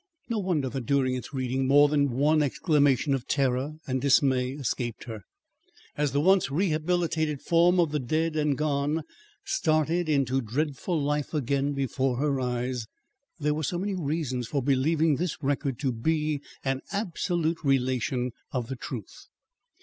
No wonder that during its reading more than one exclamation of terror and dismay escaped her, as the once rehabilitated form of the dead and gone started into dreadful life again before her eyes. There were so many reasons for believing this record to be an absolute relation of the truth.